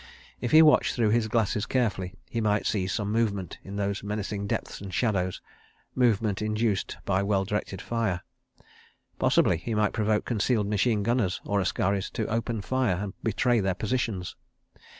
If he watched through his glasses carefully, he might see some movement in those menacing depths and shadows, movement induced by well directed fire—possibly he might provoke concealed machine gunners or askaris to open fire and betray their positions.